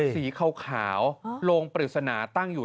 สีขาวโรงปริศนาตั้งอยู่